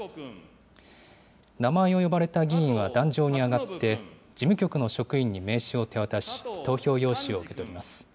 名前を呼ばれた議員は壇上に上がって、事務局の職員に名紙を手渡し、投票用紙を受け取ります。